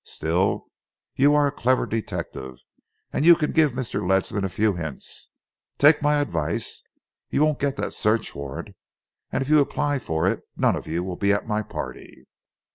Still, you are a clever detective, and you can give Mr. Ledsam a few hints. Take my advice. You won't get that search warrant, and if you apply for it none of you will be at my party."